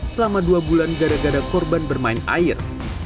selama dua bulan gara gara korban bermain air